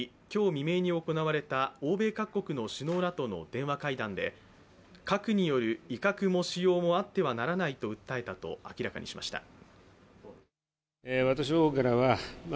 今日未明に行われた欧米各国の首脳らとの電話会談で、核による威嚇も使用もあってはならないと訴えたと明らかにしました。